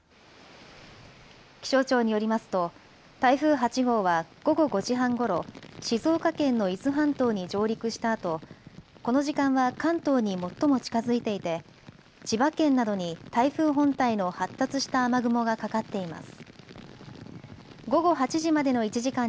気象庁によりますと台風８号は午後５時半ごろ、静岡県の伊豆半島に上陸したあとこの時間は関東に最も近づいていて千葉県などに台風本体の発達した雨雲がかかっています。